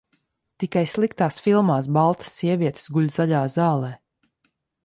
Tikai sliktās filmās baltas sievietes guļ zaļā zālē.